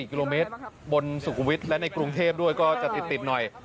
กิโลเมตรบนสุขุมวิทย์และในกรุงเทพด้วยก็จะติดหน่อย